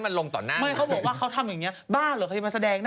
มากเค้าที่มาแสดงน่ะ